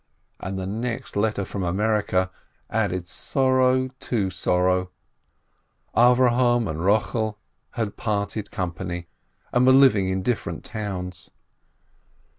And the next letter from America added sorrow to sorrow. Avrohom FORLORN AND FORSAKEN 301 and Rochel had parted company, and were living in different towns.